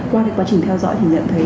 qua quá trình theo dõi thì nhận thấy